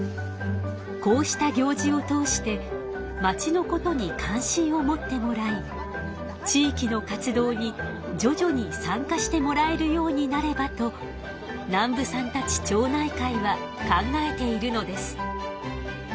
こうした行事を通してまちのことに関心を持ってもらい地域の活動にじょじょに参加してもらえるようになればと南部さんたち町内会は考えているのです。